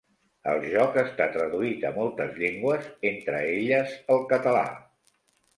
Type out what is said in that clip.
El joc està traduït a moltes llengües entre elles el català.